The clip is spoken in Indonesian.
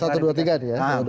satu dua tiga ya